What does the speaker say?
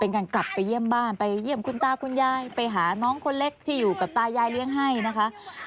คุณตาคุณย่ายไปหาน้องคนเล็กที่อยู่กับตายายเลี่ยงให้นะคะ